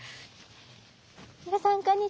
皆さんこんにちは！